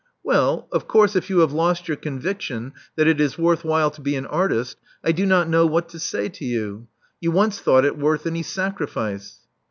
*'Well, of course if you have lost your conviction that it is worth while to be an artist, I do not know what to say to you. You once thought it worth any sacrifice.'